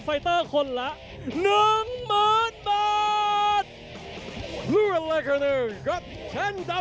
จิบลำตัวไล่แขนเสียบใน